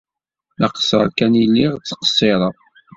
D aqeṣṣer kan ay lliɣ ttqeṣṣireɣ.